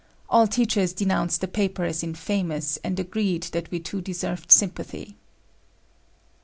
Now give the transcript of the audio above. All teachers denounced the paper as infamous and agreed that we two deserved sympathy.